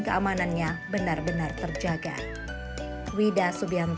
jadi kerupuk bisa menjadi media penanggulangan stunting